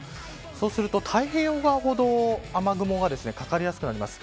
そうすると太平洋側ほど雨雲がかかりやすくなります。